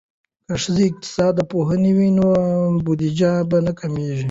که ښځې اقتصاد پوهې وي نو بودیجه به نه کمیږي.